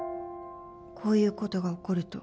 こういうことが起こると